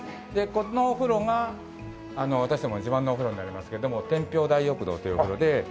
このお風呂が私どもの自慢のお風呂になりますけども天平大浴堂というお風呂で。